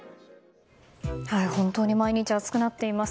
本当に毎日暑くなっています。